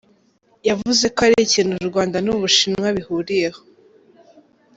Yavuze ko ari ikintu u Rwanda n’u Bushinwa bihuriyeho.